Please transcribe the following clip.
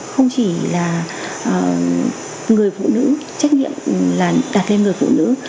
không chỉ là người phụ nữ trách nhiệm là đặt lên người phụ nữ